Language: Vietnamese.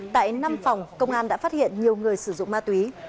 tại năm phòng công an đã phát hiện nhiều người sử dụng ma túy